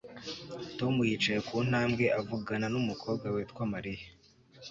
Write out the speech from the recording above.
Tom yicaye ku ntambwe avugana numukobwa witwa Mariya